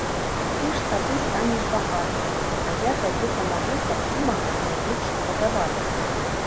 Ты ж тады станеш багатая, а я табе памагу, каб ты магла найлепш уладавацца.